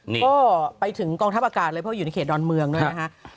นี่ก็ไปถึงกองทัพอากาศเลยเพราะอยู่ในเขตดอนเมืองด้วยนะฮะ